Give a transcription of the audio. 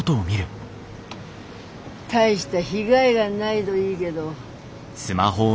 大した被害がないどいいげど。